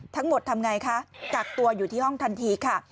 ทำไงคะกักตัวอยู่ที่ห้องทันทีค่ะ